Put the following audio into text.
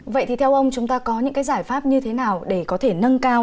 vậy thì theo ông chúng ta có những cái giải pháp như thế nào để có thể nâng cao